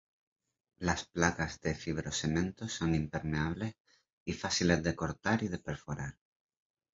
Las placas de fibrocemento son impermeables y fáciles de cortar y de perforar.